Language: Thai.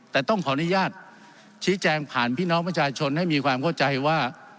แต่ต้องขออนุญาตชี้แจงผ่านพี่น้องประชาชนให้มีความเข้าใจว่า